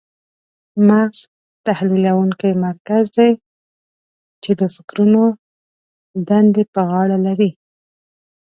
مغز تحلیلونکی مرکز دی چې د فکرونو دندې په غاړه لري.